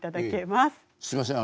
すいません